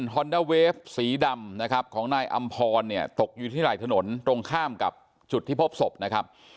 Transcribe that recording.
ฮอนด้าเวฟสีดำนะครับของนายอำพรเนี่ยตกอยู่ที่ไหล่ถนนตรงข้ามกับจุดที่พบศพนะครับ